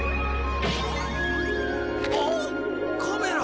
あっカメラ！